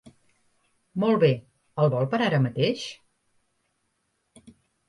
Molt bé, el vol per ara mateix?